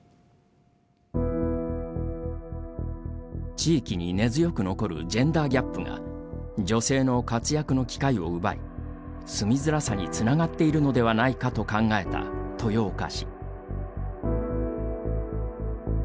地域に根強く残るジェンダーギャップが女性の活躍の機会を奪い住みづらさにつながっているのではないかと考えた豊岡市。